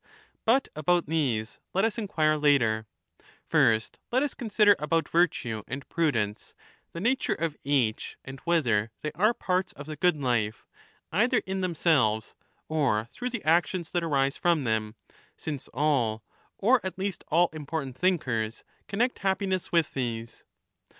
But about these let us inquire later,^ First let us consider about virtue and prudence, the nature of each, and whether 40 they are parts of the good life either in themselves or through 1216'' the actions that arise from them, since all — or at least all important thinkers — connect happiness with these.